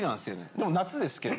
でも夏ですけど。